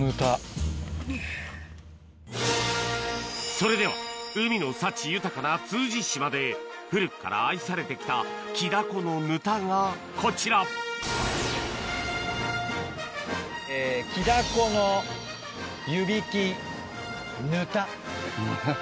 それでは海の幸豊かな通詞島で古くから愛されてきたキダコのヌタがこちらえぇキダコの湯引きヌタ。